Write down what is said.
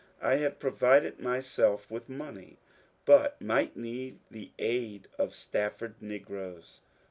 I had provided myself with money, but might need the aid of Stafford negroes.